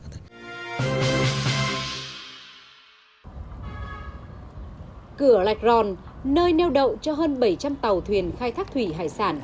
cửa lạch ròn nơi neo đậu cho hơn bảy trăm linh tàu thuyền khai thác thủy hải sản